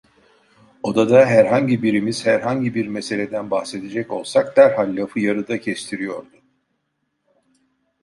Odada herhangi birimiz herhangi bir meseleden bahsedecek olsak derhal lafı yarıda kestiriyordu.